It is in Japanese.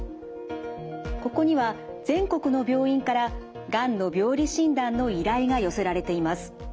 ここには全国の病院からがんの病理診断の依頼が寄せられています。